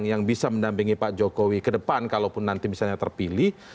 yang bisa mendampingi pak jokowi ke depan kalaupun nanti misalnya terpilih